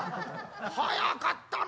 早かったね。